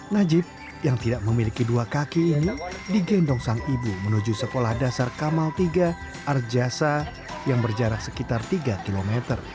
najib yang tidak memiliki dua kaki ini digendong sang ibu menuju sekolah dasar kamal tiga arjasa yang berjarak sekitar tiga km